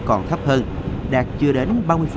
còn thấp hơn đạt chưa đến